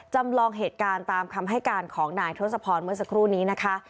จำลองเหตุการณ์ตามคำให้การของนายทศพรเมื่อสักครู่นี้นะคะ